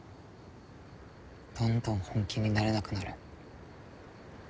どんどん本気になれなくなる。